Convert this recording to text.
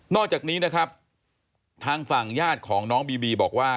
อกจากนี้นะครับทางฝั่งญาติของน้องบีบีบอกว่า